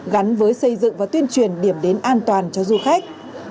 gắn với xây dựng và tuyên truyền điểm đến an toàn cho du khách